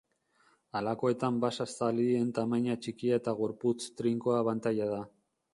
Halakoetan basa zaldien tamaina txikia eta gorputz trinkoa abantaila da.